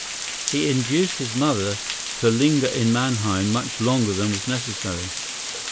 He induced his mother to linger in Mannheim much longer than was necessary.